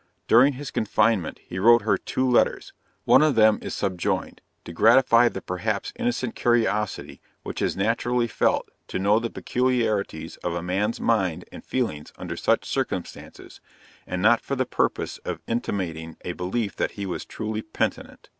During his confinement he wrote her two letters one of them is subjoined, to gratify the perhaps innocent curiosity which is naturally felt to know the peculiarities of a man's mind and feelings under such circumstances, and not for the purpose of intimating a belief that he was truly penitent.